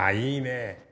いいね。